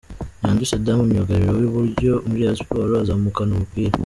Nyandwi Saddam myugariro w'iburyo muri Rayon Sports azamukana umupira.